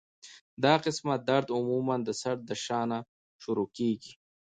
دا قسمه درد عموماً د سر د شا نه شورو کيږي